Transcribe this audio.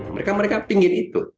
mereka mereka ingin itu